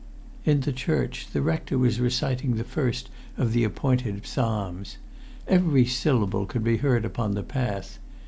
In the church the rector was reciting the first of the appointed psalms. Every syllable could be heard upon the path.